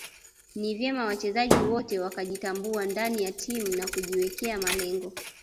Ni vyema wachezaji wote wakajitambua ndani ya timu na kujiwekea malengo